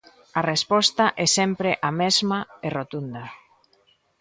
A resposta é sempre a mesma e rotunda.